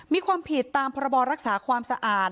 มีความผิดตามพรบรักษาความสะอาด